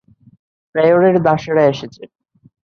ফ্রেয়রের দাসেরা এসেছে।